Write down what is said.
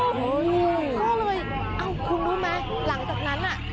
ก็เลยเอ้าคุณรู้ไหมหลังจากนั้นน่ะ